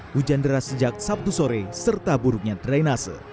hujan deras sejak sabtu sore serta buruknya drainase